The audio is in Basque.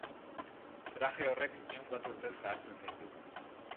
Traje horrek ehun bat urtez zahartzen zaitu.